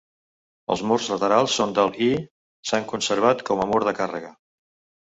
Els murs laterals són del i s'han conservat com a mur de càrrega.